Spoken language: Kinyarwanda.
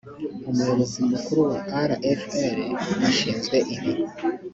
umuyobozi mukuru wa rfl ashinzwe ibi